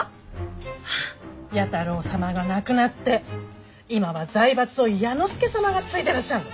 弥太郎様が亡くなって今は財閥を弥之助様が継いでらっしゃる。